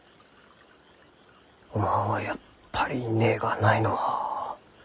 おまんはやっぱり根がないのう。